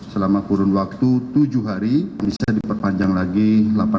selama kurun waktu tujuh hari bisa diperpanjang lagi delapan hari oleh kejaksaan